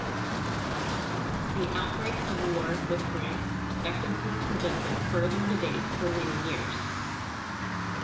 The outbreak of War with France effectively prevented further debate for many years.